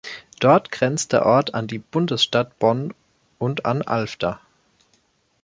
Dort grenzt der Ort an die Bundesstadt Bonn und an Alfter.